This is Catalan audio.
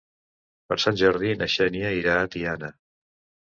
Per Sant Jordi na Xènia irà a Tiana.